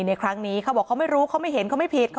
ในครั้งนี้เขาไม่เห็นเขาไม่เขียว